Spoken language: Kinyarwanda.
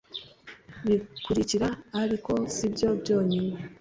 bikurikira ariko si byo byonyine